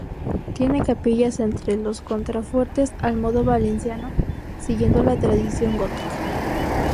Tiene capillas entre los contrafuertes al modo valenciano siguiendo la tradición gótica.